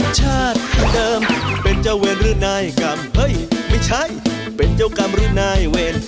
ชาติเดิมเป็นเจ้าเวรหรือนายกรรมเฮ้ยไม่ใช่เป็นเจ้ากรรมหรือนายเวร